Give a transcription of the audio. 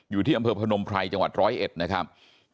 อยู่ที่อำเภอพนมไพรจังหวัดร้อยเอ็ดนะครับ